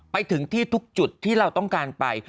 ไปถึงที่ทุกจุดที่เราต้องการไป